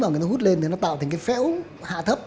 nó hút lên thì nó tạo thành phé úng hạ thấp